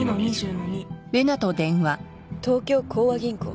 東京光和銀行？